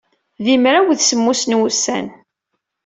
Di mraw d semmus n wussan.